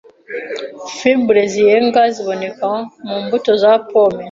Fibres ziyenga ziboneka mu mbuto za pome